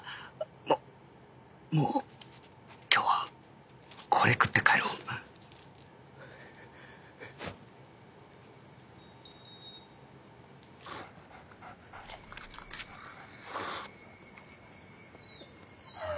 ももう今日はこれ食って帰ろうはあ。